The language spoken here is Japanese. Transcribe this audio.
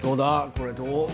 これどう。